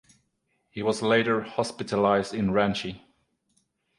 He was later hospitalized in Ranchi.